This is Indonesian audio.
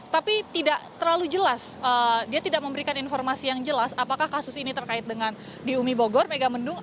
tapi tidak terlalu jelas dia tidak memberikan informasi yang jelas apakah kasus ini terkait dengan di umi bogor megamendung